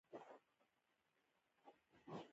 موږ سږ کال د غنمو اصلاح شوی تخم وکرلو.